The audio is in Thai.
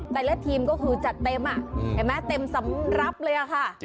แต่ละทีมก็คือจัดเต็มเห็นไหมเต็มสำรับเลยอะค่ะ